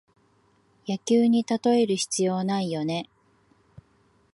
野球にたとえる必要ないよね